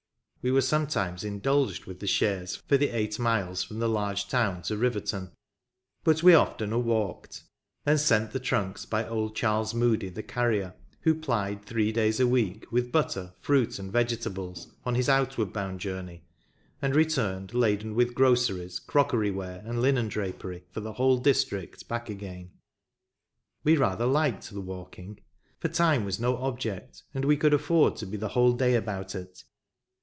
We were sometimes RiVERTON. indulged with the chaise for the eight miles from the large town to Riverton ; but we oftener walked, and sent the trunks by old Charles Moody the carrier, who plied three days a week with butter, fruit and vege tables, on his outward bound journey, and returned laden with groceries, crockery ware and linen drapery for the whole district back again. We rather liked the walking ; for time was no object, and we could afford to be the whole day about it.